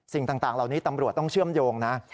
สิ่งต่างเหล่านี้ตำรวจต้องเชื่อมโยงนะ